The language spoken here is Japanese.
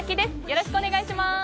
よろしくお願いします。